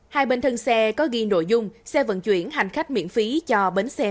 hai bên thân xe có ghi nội dung xe vận chuyển hành khách miễn phí cho bến xe